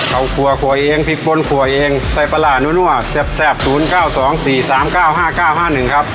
เอาขัวขัวเองพริกบนขัวเองใส่ปลานั่วแซบแซบ๐๙๒๔๓๙๕๙๕๑ครับ